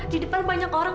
di depan banyak orang